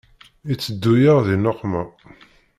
Iteddu-yaɣ di nneqma.